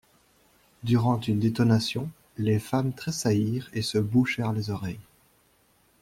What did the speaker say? Durant une détonation, les femmes tressaillirent et se bouchèrent les oreilles.